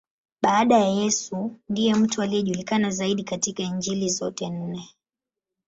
Baada ya Yesu, ndiye mtu anayejulikana zaidi katika Injili zote nne.